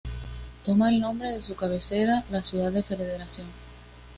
Toma el nombre de su cabecera, la ciudad de Federación.